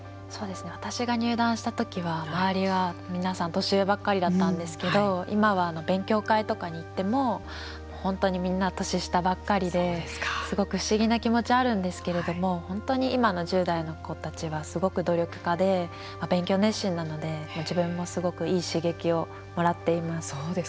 私が入段した時は周りは皆さん年上ばっかりだったんですけど今は勉強会とかに行っても本当にみんな年下ばっかりですごく不思議な気持ちあるんですけれども本当に今の１０代の子たちはすごく努力家で勉強熱心なので自分もすごくいい刺激をもらっています。